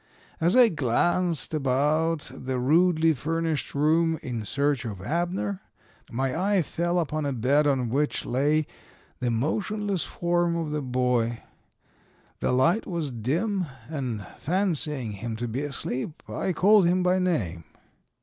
As I glanced about the rudely furnished room in search of Abner, my eye fell upon a bed on which lay the motionless form of the boy. The light was dim, and fancying him to be asleep, I called him by name.